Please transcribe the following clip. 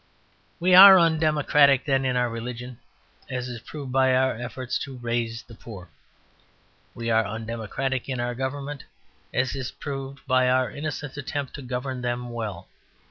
We are undemocratic, then, in our religion, as is proved by our efforts to "raise" the poor. We are undemocratic in our government, as is proved by our innocent attempt to govern them well.